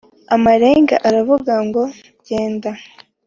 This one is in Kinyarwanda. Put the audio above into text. Amarenga aravuga ngo genda